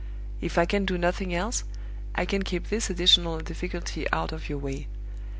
If I can do nothing else, I can keep this additional difficulty out of your way.